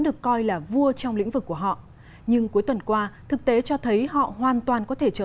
được coi là vua trong lĩnh vực của họ nhưng cuối tuần qua thực tế cho thấy họ hoàn toàn có thể trở